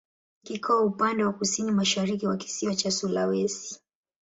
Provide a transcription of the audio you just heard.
Kiko upande wa kusini-mashariki wa kisiwa cha Sulawesi.